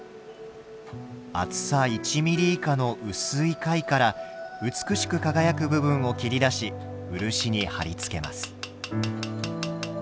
厚さ１ミリ以下の薄い貝から美しく輝く部分を切り出し漆に貼り付けます。